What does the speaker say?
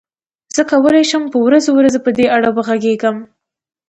زه کولای شم په ورځو ورځو په دې اړه وغږېږم.